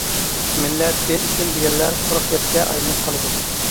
مىللەت، دىن. ئۈچۈن دېگەنلەر قۇرۇق گەپكە ئايلىنىپ قالىدۇ.